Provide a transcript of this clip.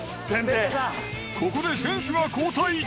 ここで選手が交代。